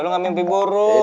lu gak mimpi buruk